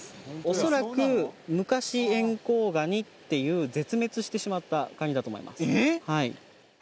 恐らくムカシエンコウガニっていう絶滅してしまったカニだと思いますえっ！？